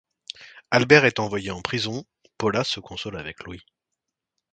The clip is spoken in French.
Albert est envoyé en prison, Pola se console avec Louis.